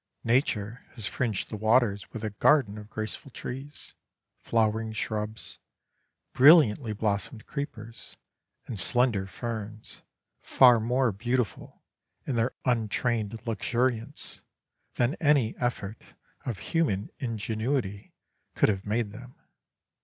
Nature has fringed the waters with a garden of graceful trees, flowering shrubs, brilliantly blossomed creepers, and slender ferns, far more beautiful in their untrained luxuriance than any effort of human ingenuity could have made them.